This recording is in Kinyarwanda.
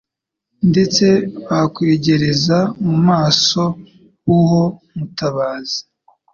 ndetse bakwegereza mu maso h'uwo Mutabazi.